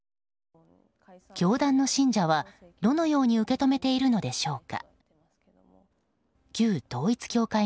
教団の信者は、どのように受け止めているのでしょうか。